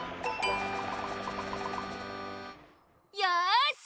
よし！